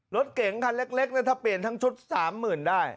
รถเก๋งคันเล็กถ้าเปลี่ยนทั้งชุด๓๐๐๐ได้